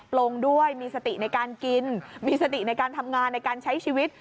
ลงด้วยมีสติในการกินมีสติในการทำงานในการใช้ชีวิต